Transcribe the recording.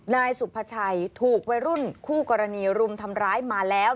นายสุภาชัยถูกวัยรุ่นคู่กรณีรุมทำร้ายมาแล้ว